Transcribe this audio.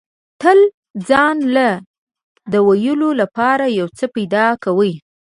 تل ځان له د ویلو لپاره یو څه پیدا کوي.